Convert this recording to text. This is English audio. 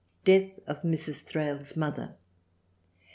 Death of Mrs. Thrale's mother.